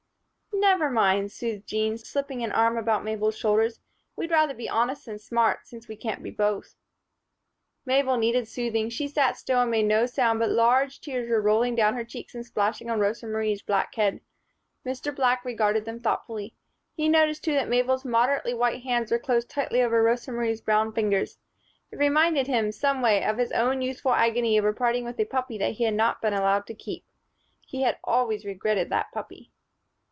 "Never mind," soothed Jean, slipping an arm about Mabel's shoulders, "we'd rather be honest than smart, since we can't be both." Mabel needed soothing. She sat still and made no sound; but large tears were rolling down her cheeks and splashing on Rosa Marie's black head. Mr. Black regarded them thoughtfully. He noticed too that Mabel's moderately white hand was closed tightly over Rosa Marie's brown fingers. It reminded him, some way, of his own youthful agony over parting with a puppy that he had not been allowed to keep he had always regretted that puppy.